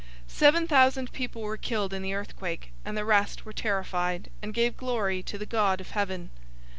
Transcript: Seven thousand people were killed in the earthquake, and the rest were terrified, and gave glory to the God of heaven.